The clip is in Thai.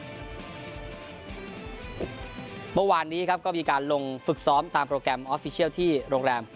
เมื่อวานนี้ครับก็มีการลงฝึกซ้อมตามโปรแกรมออฟฟิเชียลที่โรงแรม